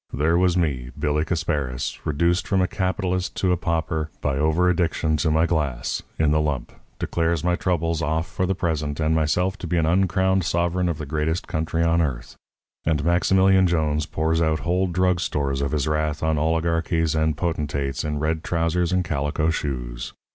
There was me, Billy Casparis, reduced from a capitalist to a pauper by over addiction to my glass (in the lump), declares my troubles off for the present and myself to be an uncrowned sovereign of the greatest country on earth. And Maximilian Jones pours out whole drug stores of his wrath on oligarchies and potentates in red trousers and calico shoes.